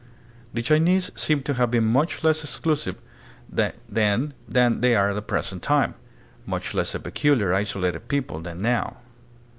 The Chinese seem to have been much less exclusive then than they are at the present time; much less a peculiar, isolated people than now.